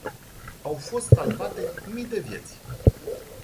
Au fost salvate mii de vieți.